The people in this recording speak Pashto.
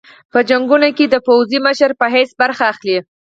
په جنګونو کې د پوځي مشر په حیث برخه اخلي.